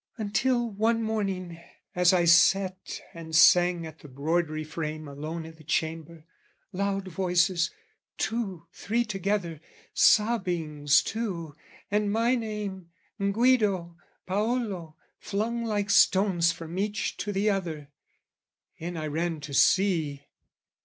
Until one morning, as I sat and sang At the broidery frame alone i' the chamber, loud Voices, two, three together, sobbings too, And my name, "Guido," "Paolo," flung like stones From each to the other! In I ran to see.